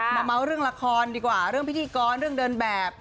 เมาส์เรื่องละครดีกว่าเรื่องพิธีกรเรื่องเดินแบบ